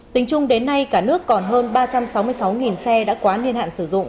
tính chung đến nay cả nước còn hơn ba trăm sáu mươi sáu xe đã quá niên hạn sử dụng